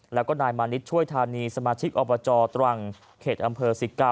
แล้วก็นายมานิดช่วยธานีสมาชิกอบจตรังเขตอำเภอ๑๙